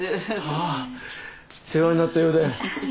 ああ世話になったようで。